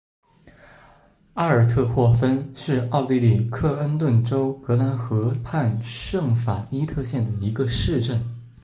阿尔特霍芬是奥地利克恩顿州格兰河畔圣法伊特县的一个市镇。